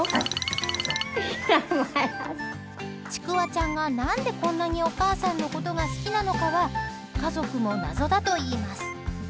ちくわちゃんが何で、こんなにお母さんのことが好きなのかは家族も謎だといいます。